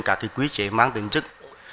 các thị quý trẻ mang tính chức